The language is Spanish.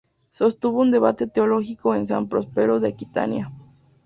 Sostuvo un debate teológico con San Próspero de Aquitania.